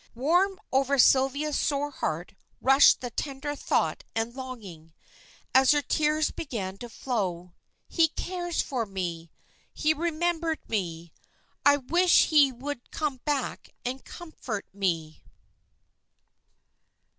Warm over Sylvia's sore heart rushed the tender thought and longing, as her tears began to flow. "He cares for me! he remembered me! I wish he would come back and comfort me!"